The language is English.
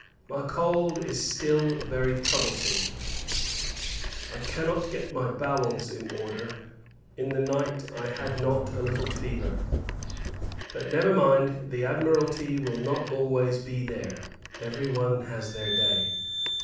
My cold is still very troublesome, I cannot get my bowels in order. In the night I had not a little fever. But, never mind; the Admiralty will not always be there. Every one has their day.